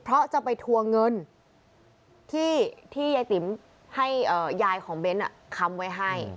เพราะจะไปทวงเงินที่ยายติ๋มให้ยายของเบ้นค้ำไว้ให้